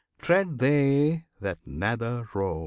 Tread they that Nether Road.